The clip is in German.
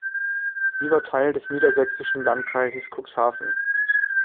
Sie war Teil des niedersächsischen Landkreises Cuxhaven.